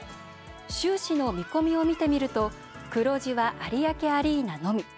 収支の見込みを見てみると黒字は有明アリーナのみ。